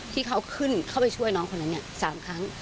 ที่เขาขึ้นเข้าไปช่วยน้องคนนั้น๓ครั้ง